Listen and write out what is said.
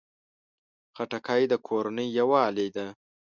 خټکی د کورنۍ یووالي ده.